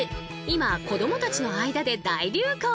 今子どもたちの間で大流行！